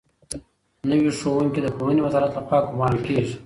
نوي ښوونکي د پوهنې وزارت لخوا ګومارل کېږي.